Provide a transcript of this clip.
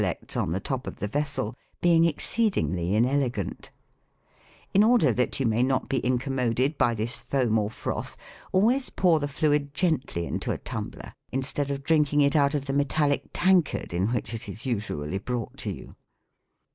141 lects on the top of the vessel, being exceedingly inele gant : in order that you may not be incommoded by this foam or froth, always pour the fluid gently mto a tumbler, instead of drinking it out of the metallic tank ard in which it is usually brought to you.